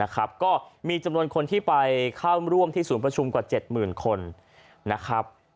ก็มีจำนวนคนที่ไปเข้าร่วมที่ศูนย์ประชุมกว่า๗๐๐คนนะครับ